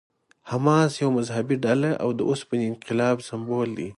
حماس یوه مذهبي ډله او د اوسني انقلاب سمبول دی.